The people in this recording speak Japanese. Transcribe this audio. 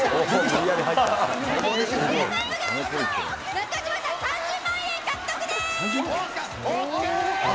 中島さん、３０万円獲得です！